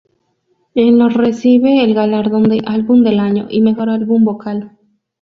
En los recibe el galardón de "Álbum Del Año" y "Mejor Álbum Vocal".